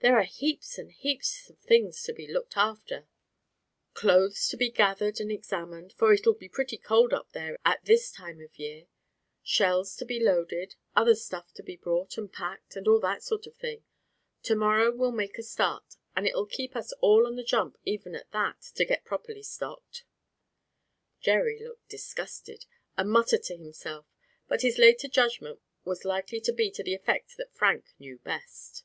There are heaps and heaps of things to be looked after; clothes to be gathered and examined, for it'll be pretty cold up there at this time of year; shells to be loaded, other stuff to be bought, and packed, and all that sort of thing. To morrow we'll make a start, and it'll keep us all on the jump even at that to get properly stocked." Jerry looked disgusted, and muttered to himself; but his later judgment was likely to be to the effect that Frank knew best.